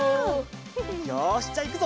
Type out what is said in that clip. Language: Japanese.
よしじゃあいくぞ！